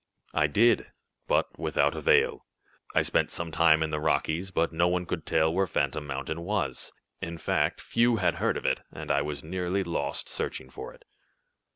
"I did, but without avail. I spent some time in the Rockies, but no one could tell where Phantom Mountain was; in fact, few had heard of it, and I was nearly lost searching for it.